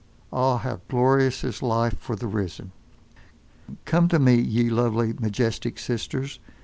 Ah! how glorious is life for the risen! Come to me, ye lovely, majestic Sisters.